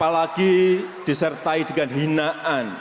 apalagi disertai dengan hinaan